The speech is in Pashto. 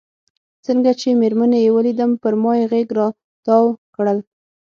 څنګه چې مېرمنې یې ولیدم پر ما یې غېږ را وتاو کړل.